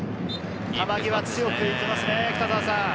球際、強くいきますね。